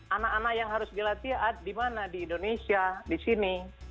anak anak yang harus dilatih di mana di indonesia di sini